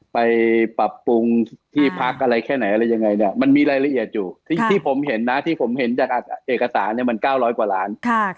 ไปปรับปรุงที่พักอะไรแค่ไหนอะไรยังไงเนี่ยมันมีรายละเอียดอยู่ที่ผมเห็นนะที่ผมเห็นจากเอกสารเนี่ยมัน๙๐๐กว่าล้าน